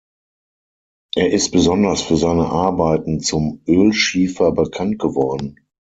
Er ist besonders für seine Arbeiten zum Ölschiefer bekannt geworden.